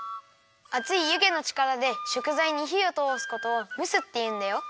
あついゆげのちからでしょくざいにひをとおすことを「むす」っていうんだよ。